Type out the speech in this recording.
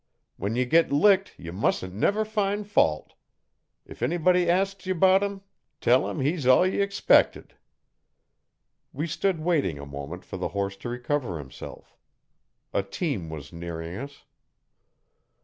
When ye git licked ye musn't never fin' fault. If anybody asks ye 'bout him tell 'em he's all ye expected.' We stood waiting a moment for the horse to recover himself. A team was nearing us.